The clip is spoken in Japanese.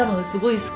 すごい！